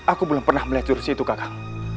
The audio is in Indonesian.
aku belum pernah melihat jurus itu kakak